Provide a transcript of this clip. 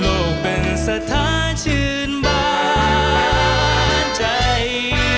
ก็เป็นสถานชื่นบานใจ